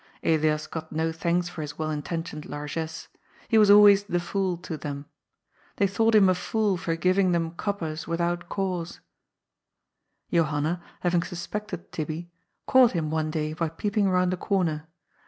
Elias got no thanks for his well intentioned largesse ; he was always '^ the fool " to them. They thought him a fool for giving them coppers without cause. Johanna, having suspected " Tibbie," caught him one day by peeping round a corner.